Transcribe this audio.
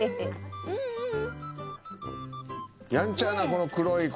やんちゃやなこの黒い。